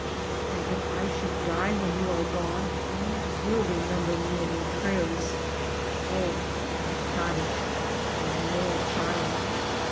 And if I should die when you are gone, you will remember me in your prayers, oh, my kadish, my male child."